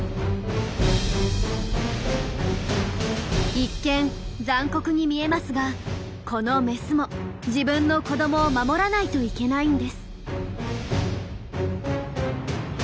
一見残酷に見えますがこのメスも自分の子どもを守らないといけないんです。